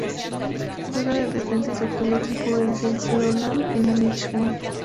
Juega de defensa y su actual equipo es el Sunderland de la League One.